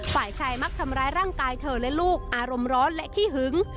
ฝ่ายชายมักทำร้ายร่างกายเธอและลูกอารมณ์ร้อนและขี้หึง